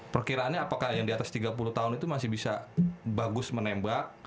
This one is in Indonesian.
perkiraannya apakah yang diatas tiga puluh tahun itu masih bisa bagus menembak